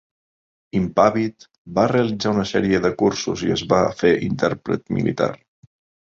Impàvid, va realitzar una sèrie de cursos i es va fer intèrpret militar.